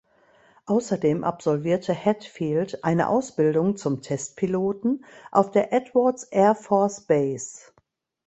Außerdem absolvierte Hadfield eine Ausbildung zum Testpiloten auf der Edwards Air Force Base.